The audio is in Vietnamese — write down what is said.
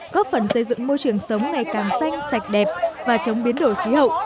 góp phần xây dựng môi trường sống ngày càng xanh sạch đẹp và chống biến đổi khí hậu